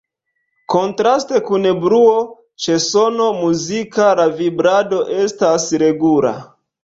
Kontraste kun bruo, ĉe sono muzika la vibrado estas regula.